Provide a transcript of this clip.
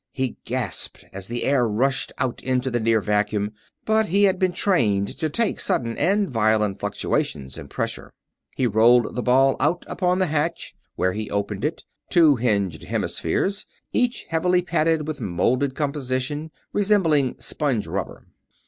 He gasped as the air rushed out into near vacuum, but he had been trained to take sudden and violent fluctuations in pressure. He rolled the ball out upon the hatch, where he opened it; two hinged hemispheres, each heavily padded with molded composition resembling sponge rubber.